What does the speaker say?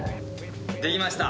できました。